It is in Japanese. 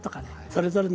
それぞれ。